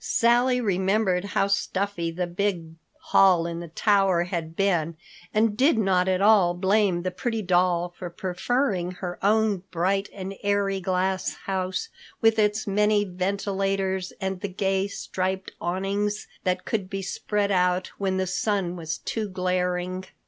Sally remembered how stuffy the big hall in the tower had been and did not at all blame the pretty doll for preferring her own bright and airy glass house with its many ventilators and the gay, striped awnings that could be spread out when the sun was too glaring.